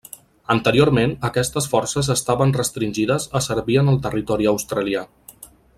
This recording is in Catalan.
Anteriorment, aquestes forces estaven restringides a servir en el territori australià.